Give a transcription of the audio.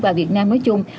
và việt nam nói chung